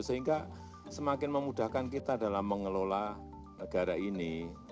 sehingga semakin memudahkan kita dalam mengelola negara ini